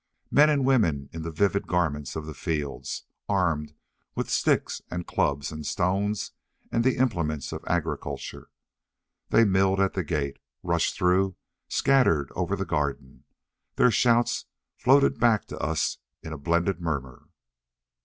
Men and women in the vivid garments of the fields, armed with sticks and clubs and stones and the implements of agriculture. They milled at the gate; rushed through; scattered over the garden. Their shouts floated back to us in a blended murmur.